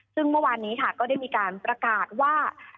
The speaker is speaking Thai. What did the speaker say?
ซึ่งเมื่อวานนี้ค่ะก็ได้มีการประกาศว่า